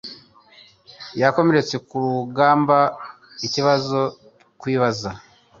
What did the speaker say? Yakomeretse ku rugamba ikibazo twibaza)